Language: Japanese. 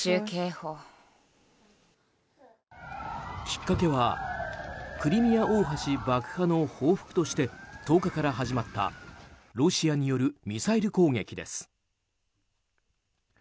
きっかけはクリミア大橋爆破の報復として１０日から始まったロシアによるミサイル攻撃です。